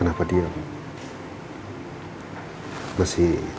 aku akan kedengeran pembelajaran ke dalam com net